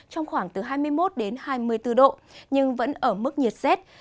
trong khoảng từ hai mươi một đến hai mươi bốn độ nhưng vẫn ở mức nhiệt rét